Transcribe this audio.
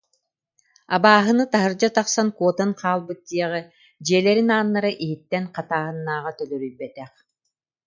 Абааһыны таһырдьа тахсан куотан хаалбыт диэҕи, дьиэлэрин ааннара иһиттэн хатааһыннааҕа төлөрүйбэтэх